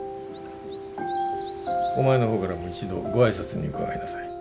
お前の方からも一度ご挨拶に伺いなさい。